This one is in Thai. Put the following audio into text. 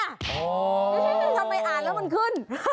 อ๋อทำไมอ่านแล้วมันขึ้น